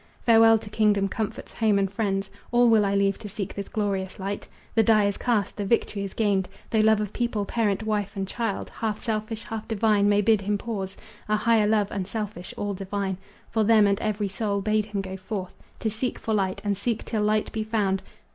Farewell to kingdom, comforts, home and friends! All will I leave to seek this glorious light." The die is cast, the victory is gained. Though love of people, parent, wife and child, Half selfish, half divine, may bid him pause, A higher love, unselfish, all divine, For them and every soul, bade him go forth To seek for light, and seek till light be found.